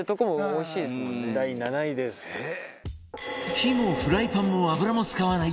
火もフライパンも油も使わない